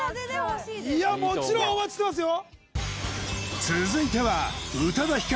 もちろんお待ちしてますよ